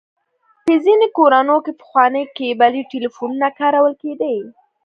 په ځينې کورونو کې پخواني کيبلي ټليفونونه کارول کېدل.